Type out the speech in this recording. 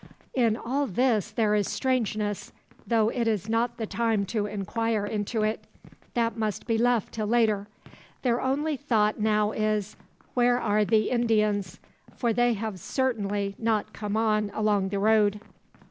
In all this there is strangeness, though it is not the time to inquire into it. That must be left till later. Their only thought now is, where are the Indians; for they have certainly not come on along the road.